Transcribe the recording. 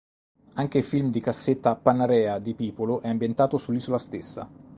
Anche il film di cassetta "Panarea" di Pipolo è ambientato sull'isola stessa.